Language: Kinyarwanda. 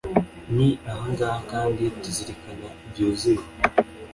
ni aha ngaha kandi tuzirikana byuzuye